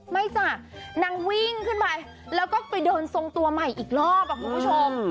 จ้ะนางวิ่งขึ้นไปแล้วก็ไปเดินทรงตัวใหม่อีกรอบคุณผู้ชม